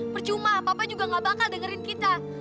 percuma papa juga gak bakal dengerin kita